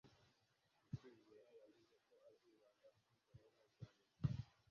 Kwizera yavuze ko izibanda kuri gahunda za Leta